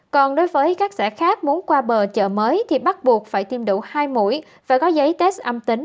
còn đối với các xã khác muốn qua bờ chợ mới thì bắt buộc phải tiêm đủ hai mũi phải có giấy test âm tính